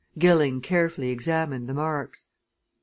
Gilling carefully examined the marks.